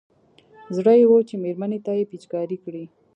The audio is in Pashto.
زړه يې و چې مېرمنې ته يې پېچکاري کړي.